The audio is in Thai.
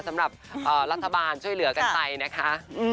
สำหรับรัฐบาลช่วยเหลือกันไปนะคะ